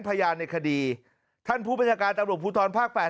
พยานในคดีท่านผู้บัญชาการตำรวจภูทรภาคแปด